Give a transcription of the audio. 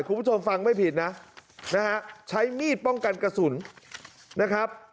คุณผู้ชมฟังไม่ผิดนะนะฮะใช้มีดป้องกันกระสุนนะครับ